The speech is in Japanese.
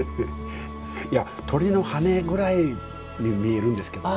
鳥の羽ぐらいに見えるんですけどね。